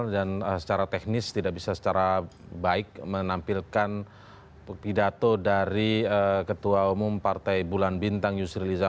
dalam acara rapat beli muterbeta nomor urut partai politik